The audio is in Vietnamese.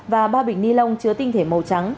và ba bịch ni lông chứa tinh thể màu trắng